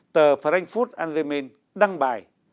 tờ frankfurt allgemeine đăng bài